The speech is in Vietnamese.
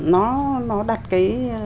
nó đặt cái